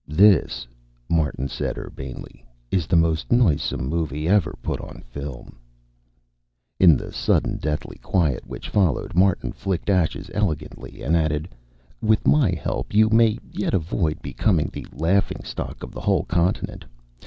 "This," Martin said urbanely, "is the most noisome movie ever put on film." In the sudden, deathly quiet which followed, Martin flicked ashes elegantly and added, "With my help, you may yet avoid becoming the laughing stock of the whole continent.